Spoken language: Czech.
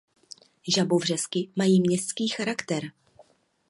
Žabovřesky mají městský charakter.